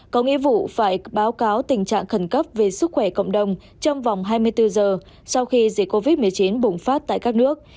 có nghĩa vụ phải báo cáo tình trạng khẩn cấp về sức khỏe cộng đồng trong vòng hai mươi bốn giờ sau khi dịch covid một mươi chín bùng phát tại các nước